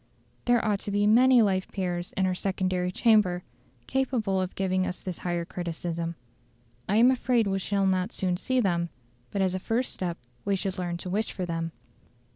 There ought to be many life peers in our secondary chamber capable of giving us this higher criticism. I am afraid we shall not soon see them, but as a first step we should learn to wish for them.